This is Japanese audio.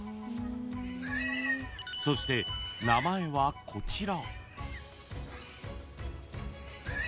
［そして名前はこちら］